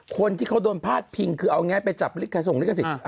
คนที่เขาโดนพาดพิงคือเอาไงไปจับลิขส่งลิขสิทธิ